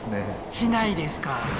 しないですか。